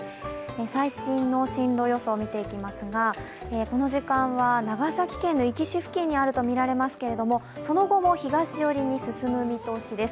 最新の進路予想を見ていきますがこの時間は長崎県の壱岐市付近にあるとみられますがその後も東寄りに進む見通しです。